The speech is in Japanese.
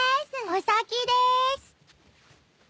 お先です。